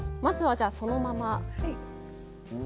まずはじゃあそのまま。